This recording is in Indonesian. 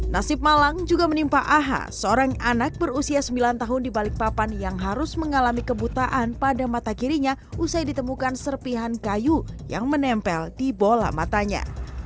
nasib malang juga menimpa aha seorang anak berusia sembilan tahun di balikpapan yang harus mengalami kebutaan pada mata kirinya usai ditemukan serpihan kayu yang menempel di bola matanya